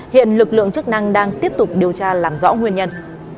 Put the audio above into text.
hiện lực lượng chức năng đang tiếp tục điều tra làm rõ nguyên nhân